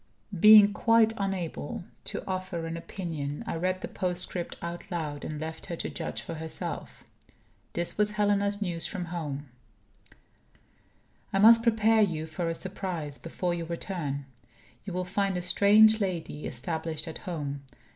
Being quite unable to offer an opinion, I read the postscript out loud, and left her to judge for herself. This was Helena's news from home: "I must prepare you for a surprise, before your return. You will find a strange lady established at home.